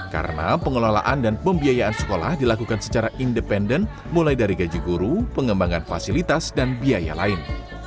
karena pengelolaan dan pembiayaan sekolah dilakukan secara independen mulai dari gaji guru pengembangan fasilitas dan biaya lain